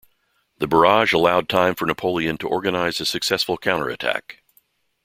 The barrage allowed time for Napoleon to organize a successful counterattack.